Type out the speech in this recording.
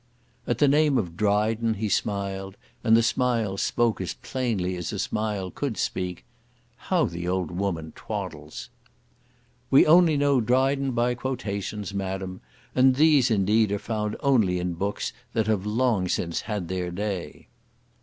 At the name of Dryden he smiled, and the smile spoke as plainly as a smile could speak, "How the old woman twaddles!" "We only know Dryden by quotations. Madam, and these, indeed, are found only in books that have long since had their day."